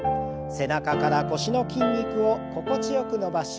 背中から腰の筋肉を心地よく伸ばし